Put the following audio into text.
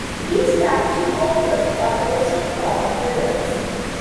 These factory workers are also called millers.